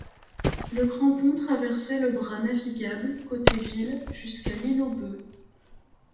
Le Grand Pont traversait le bras navigable, côté ville, jusqu'à l'île-aux-Bœufs.